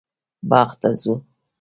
باغ ته ځو